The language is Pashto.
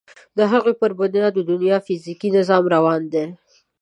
د هغوی پر بنا د دنیا فیزیکي نظام روان دی.